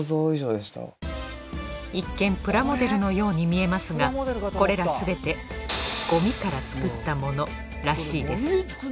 一見プラモデルのように見えますがこれらすべてゴミから作ったものらしいです